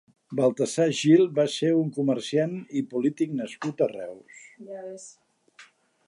Baltasar Gil va ser un comerciant i polític nascut a Reus.